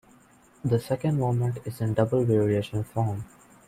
The second movement is in double variation form.